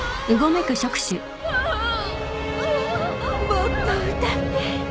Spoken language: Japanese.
もっと歌って。